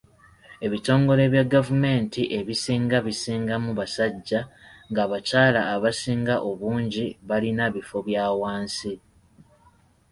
Ebitongole bya gavumenti ebisinga bisingamu basajja ng'abakyala abasinga obungi balina bifo bya wansi.